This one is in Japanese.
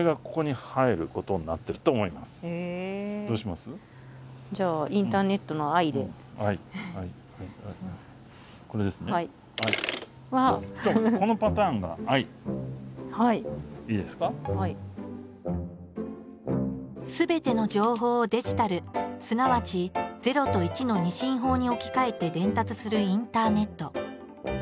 すべての情報をデジタルすなわち「０」と「１」の２進法に置き換えて伝達するインターネット。